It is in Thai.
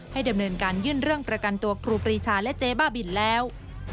ดำเนินการยื่นเรื่องประกันตัวครูปรีชาและเจ๊บ้าบินแล้ว